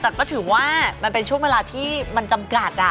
แต่ก็ถือว่ามันเป็นช่วงเวลาที่มันจำกัด